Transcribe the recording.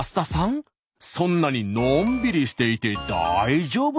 そんなにのんびりしていて大丈夫ですか？